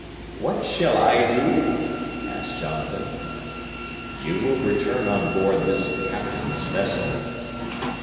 "What shall I do?" asked Jonathan. "You will return on board this captain's vessel."